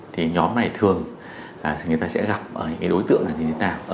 thì nhóm này thường người ta sẽ gặp đối tượng như thế nào